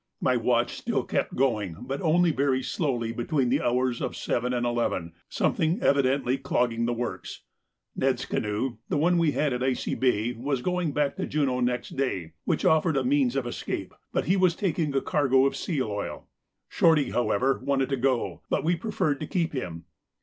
My watch still kept going, but only very slowly between the hours of seven and eleven, something evidently clogging the works. Ned's canoe, the one we had at Icy Bay, was going back to Juneau next day, which offered a means of escape, but he was taking a cargo of seal oil! Shorty, however, wanted to go, but we preferred to keep him.